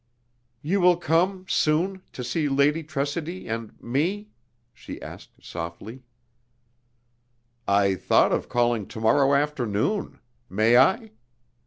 "You will come soon to see Lady Tressidy and me?" she asked, softly. "I thought of calling to morrow afternoon. May I?"